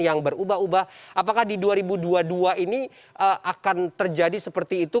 yang berubah ubah apakah di dua ribu dua puluh dua ini akan terjadi seperti itu